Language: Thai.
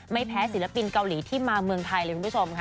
ไม่แพ้ศิลปินเกาหลีที่มาเมืองไทยเลยคุณผู้ชมค่ะ